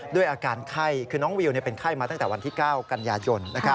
ด้วยอาการไข้คือน้องวิวเป็นไข้มาตั้งแต่วันที่๙กันยายน